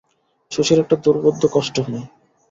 শশীর একটা দুর্বোধ্য কষ্ট হয়।